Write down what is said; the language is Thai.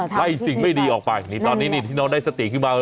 ไล่สิ่งไม่ดีออกไปนี่ตอนนี้ที่น้องได้สติขึ้นมา